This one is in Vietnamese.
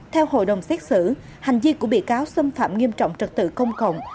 theo hội đồng xét xử hành vi của bị cáo xâm phạm nghiêm trọng trật tự công cộng